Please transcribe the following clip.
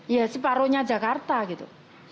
ya separohnya jakarta gitu